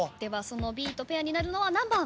そのＢとペアになるのは何番？